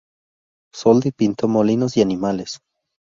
Soldi pintó molinos y animales.